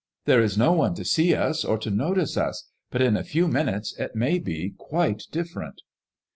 There is no one to see us, or to notice us; but in a few minutes it may be quite dif ferent.